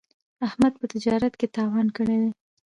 احمد په تجارت کې تاوان کړی دی.